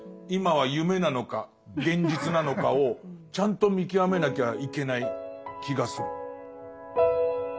今は夢なのか現実なのかをちゃんと見極めなきゃいけない気がする。